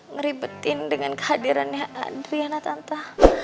ngeribetin dengan kehadirannya adriana tante